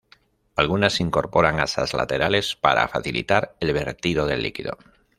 Algunas incorporan asas laterales para facilitar el vertido del líquido.